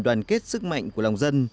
đoàn kết sức mạnh của lòng dân